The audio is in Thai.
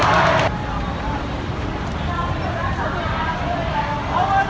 อัศวินธรรมชาติอัศวินธรรมชาติ